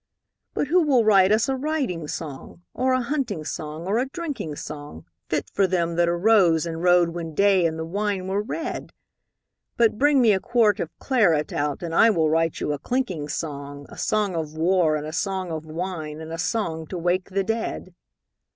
But who will write us a riding song, Or a hunting song or a drinking song, Fit for them that arose and rode When day and the wine were red? But bring me a quart of claret out, And I will write you a clinking song, A song of war and a song of wine And a song to wake the dead.